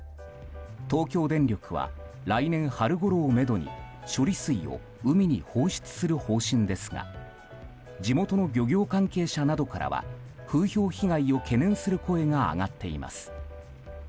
東京電力は来年春ごろをめどに処理水を海に放出する方針ですが地元の漁業関係者などからは風評被害を懸念する声が上がっています。